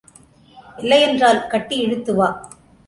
இல்லையென்றால் கட்டி இழுத்துவா!